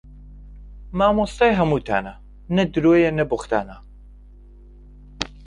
مامۆستای هەمووتانە نە درۆیە نە بووختانە